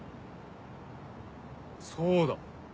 そうだ。